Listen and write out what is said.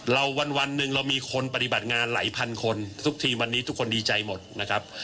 วันหนึ่งเรามีคนปฏิบัติงานหลายพันคนทุกทีมวันนี้ทุกคนดีใจหมดนะครับ